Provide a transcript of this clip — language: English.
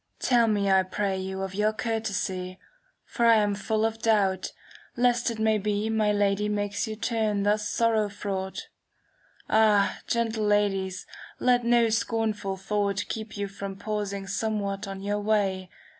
Tell me, I pray you, of your courtesy; For 1 am full of doubt, lest it may be My Lady makes you turn thus sorrow fraught. AL, gentle ladies, let no scornful thought * Keep you from pausing somewhat on your way.